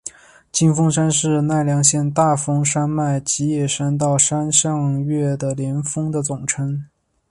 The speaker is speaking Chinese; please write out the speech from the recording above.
金峰山是奈良县大峰山脉吉野山到山上岳的连峰的总称。